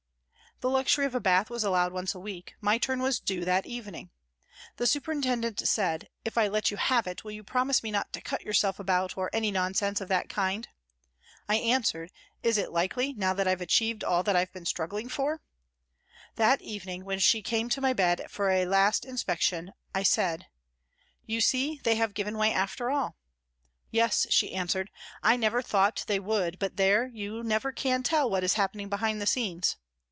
The luxury of a bath was allowed once a week, my turn was due that evening. The superintendent said :" If I let you have it, will you promise me not to cut yourself about or any nonsense of that kind ?" I answered :" Is it likely now that I've achieved all that I've been struggling for ?" That evening, when she came to my bed for a last inspection, I said, " You see, they have given way after all." " Yes," she answered ; "I never thought they would, but there, you never can tell what is happening behind the scenes."